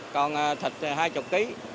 còn thịt là hai mươi kg